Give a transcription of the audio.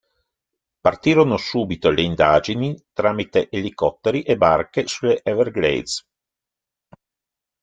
Partirono subito le indagini tramite elicotteri e barche sulle Everglades.